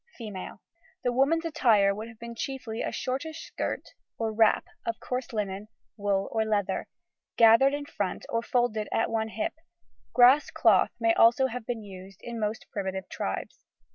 FEMALE. The woman's attire would have been chiefly a shortish skirt or wrap of coarse linen, wool, or leather, gathered in front or folded at one hip; grass cloth may also have been in use in most primitive tribes.